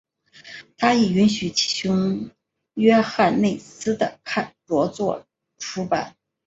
他亦允许其兄约翰内斯的着作出版。